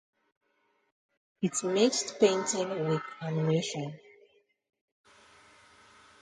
It mixed painting with animation.